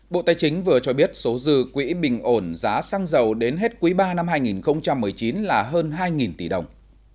bộ tài chính vừa cho biết số dư quỹ bình ổn giá xăng dầu đến hết quý ba năm hai nghìn một mươi chín là hơn hai tỷ đồng